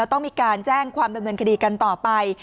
แล้วต้องมีการแจ้งหวามประเมินคดีกันต่อไป